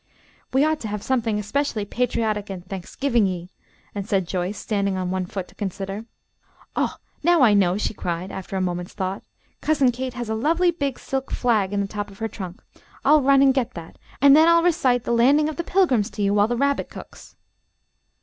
"We ought to have something especially patriotic and Thanksgivingey," said Joyce, standing on one foot to consider. "Oh, now I know," she cried, after a moment's thought. "Cousin Kate has a lovely big silk flag in the top of her trunk. I'll run and get that, and then I'll recite the 'Landing of the Pilgrims' to you while the rabbit cooks."